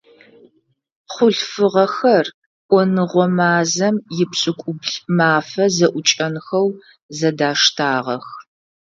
Хъулъфыгъэхэр Ӏоныгъо мазэм ипшӏыкӏубл мафэ зэӏукӏэнхэу зэдаштагъэх.